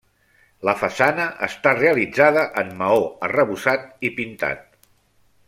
La façana està realitzada en maó arrebossat i pintat.